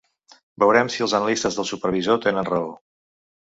Veurem si els analistes del supervisor tenen raó.